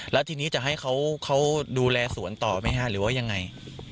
แล้วทีนี้จะให้เขาดูแลสวนต่อไหมฮะหรือว่ายังไง